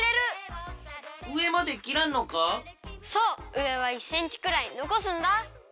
うえは１センチくらいのこすんだ！